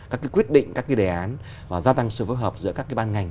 các quyết định các đề án và gia tăng sự phối hợp giữa các ban ngành